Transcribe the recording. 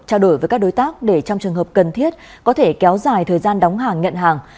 trao đổi với các đối tác để trong trường hợp cần thiết có thể kéo dài thời gian đóng hàng nhận hàng